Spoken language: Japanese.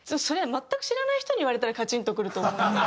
全く知らない人に言われたらカチンとくると思うんですけど。